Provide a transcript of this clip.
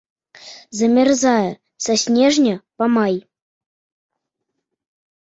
Замярзае са снежня па май.